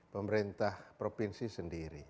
pemerintah provinsi sendiri